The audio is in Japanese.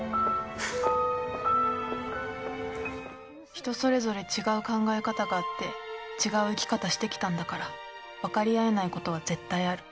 人それぞれ違う考え方があって違う生き方してきたんだから分かり合えないことは絶対ある。